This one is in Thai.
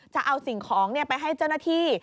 จะเอาสิ่งของไปให้เจ้าหน้าที่